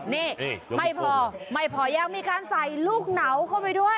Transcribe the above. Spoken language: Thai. นี่ไม่พอไม่พอยังมีการใส่ลูกเหนาเข้าไปด้วย